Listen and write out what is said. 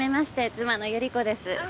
妻のゆり子です。